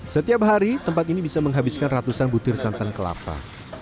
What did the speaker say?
setiap hari tempat ini bisa menghabiskan ratusan butir santan kelapa